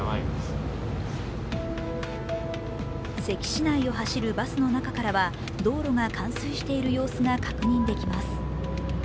関市内を走るバスの中からは道路が冠水している様子が確認できます。